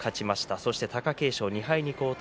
そして貴景勝２敗に後退。